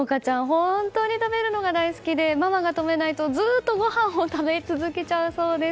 本当に食べるのが大好きでママが止めないと、ずっとご飯を食べ続けちゃうそうです。